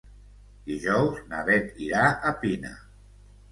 Dijous na Beth irà a Pina.